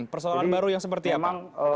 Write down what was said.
persoalan baru yang seperti apa